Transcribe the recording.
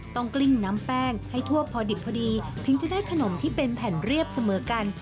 กลิ้งน้ำแป้งให้ทั่วพอดิบพอดีถึงจะได้ขนมที่เป็นแผ่นเรียบเสมอกัน